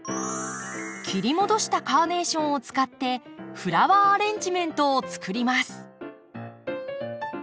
切り戻したカーネーションを使ってフラワーアレンジメントをつくります。